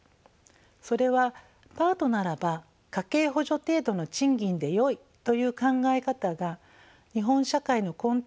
それはパートならば家計補助程度の賃金でよいという考え方が日本社会の根底にあるからです。